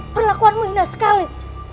perlakuanmu hina sekali